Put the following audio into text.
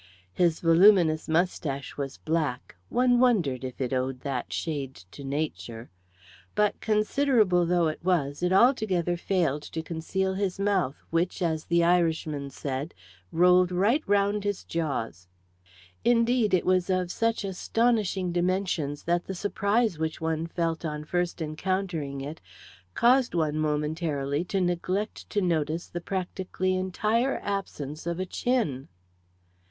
His voluminous moustache was black; one wondered if it owed that shade to nature. But, considerable though it was, it altogether failed to conceal his mouth, which, as the Irishman said, "rolled right round his jaws." Indeed, it was of such astonishing dimensions that the surprise which one felt on first encountering it, caused one, momentarily, to neglect to notice the practically entire absence of a chin.